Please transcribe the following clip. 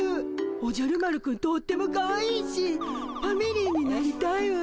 おじゃる丸くんとってもかわいいしファミリーになりたいわ。